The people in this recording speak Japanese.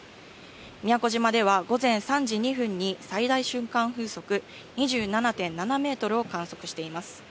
宮古島では午前３時２分に最大瞬間風速２７．７メートルを観測しています。